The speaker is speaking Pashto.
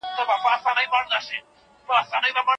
خو په ټولیز ډول د دې ټولو کلمو یوه اصلي موخه ده.